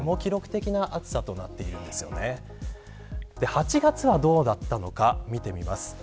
８月はどうだったのか見てみます。